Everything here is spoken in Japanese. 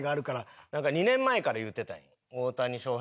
なんか２年前から言うてたんよ。